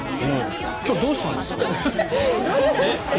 今日どうしたんですか？